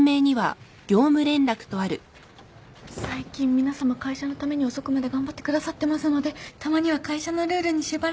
「最近皆さま会社のために遅くまで頑張ってくださってますのでたまには会社のルールに縛られましょう」